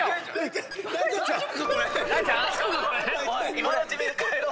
今のうちみんな帰ろう。